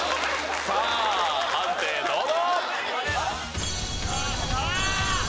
さあ判定どうぞ！